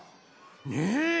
ねえ。